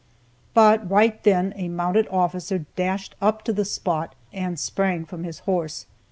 But right then a mounted officer dashed up to the spot, and sprang from his horse.